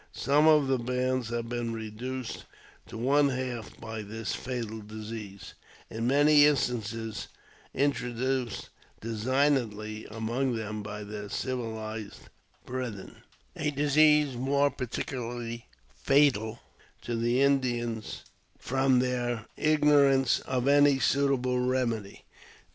Some of the bands have been reduced to one half by this fatal disease (in many instances introduced designedly among them by their civilized brethren) ; a disease more particularly fatal to the Indians from their entire ignorance of any suitable remedy.